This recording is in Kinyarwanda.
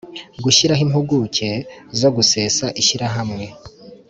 Gushyiraho impuguke zo gusesa ishyirahamwe